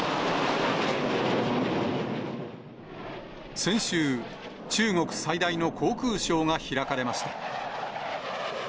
先週、中国最大の航空ショーが開かれました。